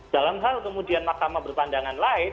dalam hal kemudian mahkamah berpandangan lain